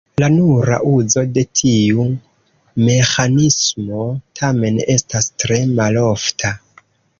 La nura uzo de tiu meĥanismo tamen estas tre malofta.